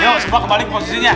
yuk semua kembali ke posisinya